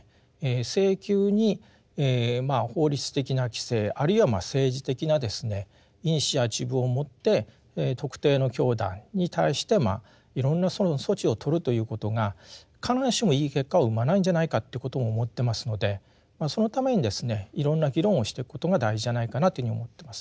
性急に法律的な規制あるいは政治的なイニシアチブをもって特定の教団に対していろんな措置を取るということが必ずしもいい結果を生まないんじゃないかということも思ってますのでそのためにですねいろんな議論をしてくことが大事じゃないかなというふうに思ってます。